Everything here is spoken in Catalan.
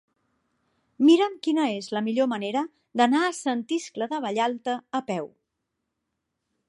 Mira'm quina és la millor manera d'anar a Sant Iscle de Vallalta a peu.